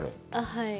はい。